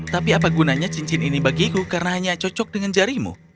tapi apa gunanya cincin ini bagiku karena hanya cocok dengan jarimu